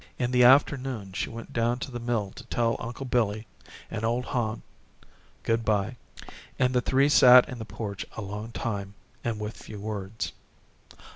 In the afternoon she went down to the mill to tell Uncle Billy and ole Hon good by and the three sat in the porch a long time and with few words.